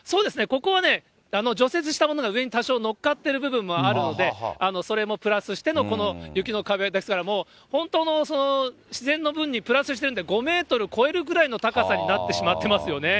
ここはね、除雪したものが上に多少乗っかってる部分もあるので、それもプラスしてのこの雪の壁ですからもう、本当の自然の分にプラスしてるんで、５メートル超えるぐらいの高さになってしまってますよね。